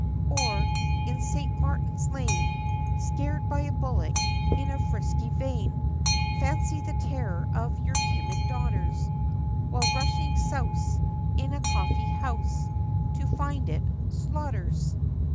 _ Or, in St. Martin's Lane, Scared by a Bullock, in a frisky vein, Fancy the terror of your timid daughters, While rushing souse Into a coffee house, To find it Slaughter's!